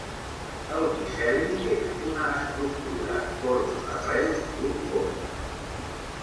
El miceli és una estructura en forma d'arrel d'un fong